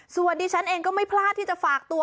ส่วนดิฉันเองก็ไม่พลาดที่จะฝากตัว